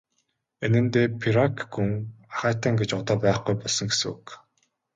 Энэ нь де Пейрак гүн ахайтан гэж одоо байхгүй болсон гэсэн үг.